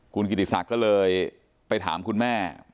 คุณกิติศักดิ์ก็เลยไปถามคุณแม่